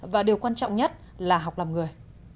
và điều quan trọng nhất là học làm người